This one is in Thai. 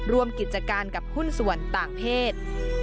ร่วมกิจการกับหุ้นส่วนต่างเพศ